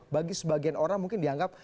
bagi sebagian orang mungkin dianggap